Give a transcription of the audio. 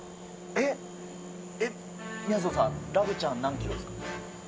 えっ、みやぞんさん、ラブちゃん、何キロですか。